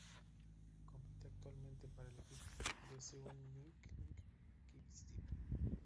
Compite actualmente para el equipo Deceuninck-Quick Step.